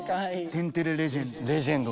天てれレジェンド。